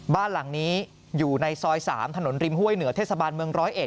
บ้านหลังนี้อยู่ในซอย๓ถนนริมห้วยเหนือเทศบาลเมืองร้อยเอ็